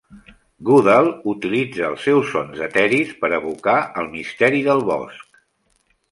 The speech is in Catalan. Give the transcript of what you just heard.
Goodall utilitza els seus sons eteris per evocar el misteri del bosc.